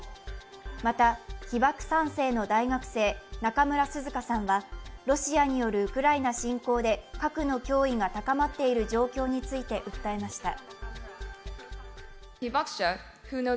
また被爆３世の大学生・中村涼香さんがロシアによるウクライナ侵攻で核の脅威が高まっている状況について訴えました。